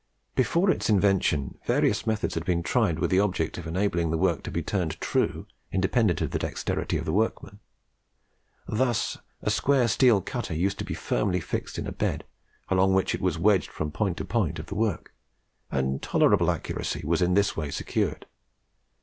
Before its invention various methods had been tried with the object of enabling the work to be turned true independent of the dexterity of the workman. Thus, a square steel cutter used to be firmly fixed in a bed, along which it was wedged from point to point of the work, and tolerable accuracy was in this way secured.